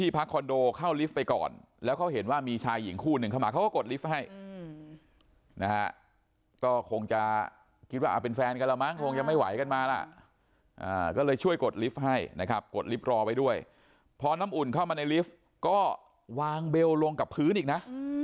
พอน้ำอุ่นเข้ามาในลิฟต์ก็วางเบลล์ลงกับพื้นอีกนะ